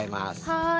はい。